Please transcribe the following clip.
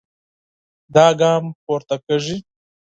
دا ګام پورته کېږي.